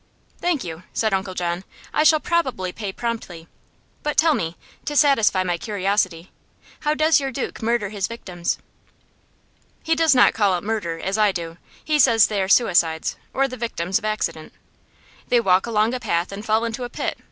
"Thank you," said Uncle John. "I shall probably pay promptly. But tell me, to satisfy my curiosity, how does your duke murder his victims?" "He does not call it murder, as I do; he says they are suicides, or the victims of accident. They walk along a path and fall into a pit.